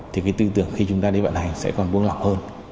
thì cái tư tưởng khi chúng ta đi vận hành sẽ còn buông lỏng hơn